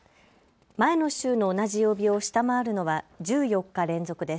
前の週の同じ曜日を下回るのは１４日連続です。